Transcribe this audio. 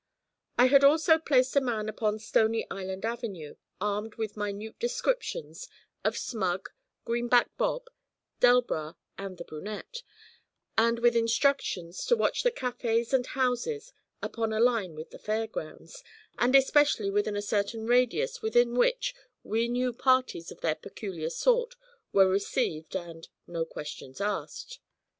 I had also placed a man upon Stony Island Avenue, armed with minute descriptions of Smug, Greenback Bob, Delbras, and the brunette, and with instructions to watch the cafés and houses upon a line with the Fair grounds, and especially within a certain radius within which we knew parties of their peculiar sort were received 'and no questions asked.'